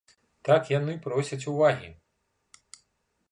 Так яны просяць увагі.